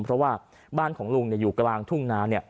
เพราะว่าบ้านของลุงอยู่กลางทุ่งนา